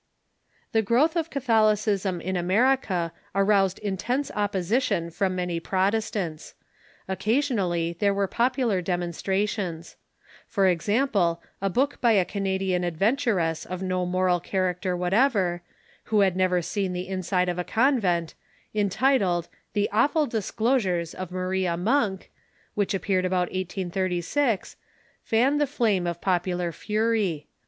The growth of Catholicism in America aroused intense op position from many Protestants. Occasionally there were pop ular demonstrations. For example, a book by a Canadian ad venturess of no moral character whatever, who had never seen 542 THE CHURCH IN THE UNITED STATES the inside of a convent, entitled "The Awfal Disclosures of Maria Monk," which appeared about 1836, fanned the flame of popular fury.